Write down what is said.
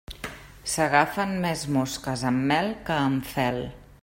S'agafen més mosques amb mel que amb fel.